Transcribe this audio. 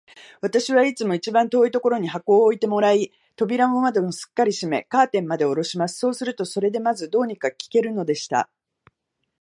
私はいつも一番遠いところに箱を置いてもらい、扉も窓もすっかり閉め、カーテンまでおろします。そうすると、それでまず、どうにか聞けるのでした。